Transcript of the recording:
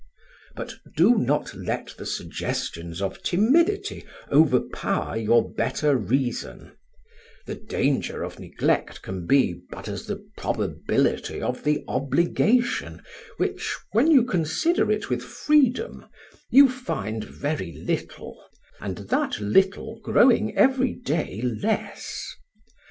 "But do not let the suggestions of timidity overpower your better reason; the danger of neglect can be but as the probability of the obligation, which, when you consider it with freedom, you find very little, and that little growing every day less.